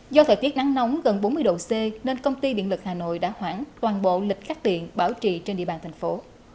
do thời tiết nắng nóng gần bốn mươi độ c nên công ty điện lực hà nội đã khoảng toàn bộ lịch cắt điện bảo trì trên địa bàn thành phố